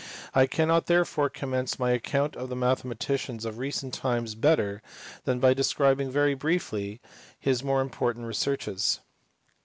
I cannot therefore commence my account of the mathematics of recent times better than by describing very briefly his more important researches.